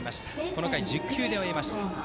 この回は１０球で終えました。